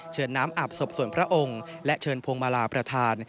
น้ำอาบศพส่วนพระองค์และเชิญพวงมาลาประธาน